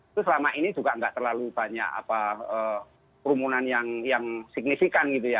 itu selama ini juga nggak terlalu banyak kerumunan yang signifikan gitu ya